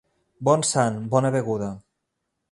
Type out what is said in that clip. Bon sant, bona beguda.